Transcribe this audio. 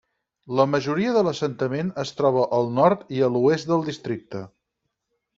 La majoria de l'assentament es troba al nord i a l'oest del districte.